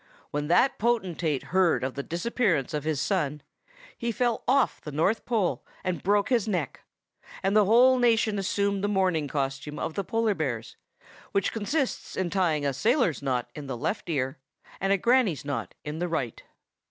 When that potentate heard of the disappearance of his son, he fell off the North Pole, and broke his neck; and the whole nation assumed the mourning costume of the polar bears, which consists in tying a sailor's knot in the left ear, and a granny's knot in the right.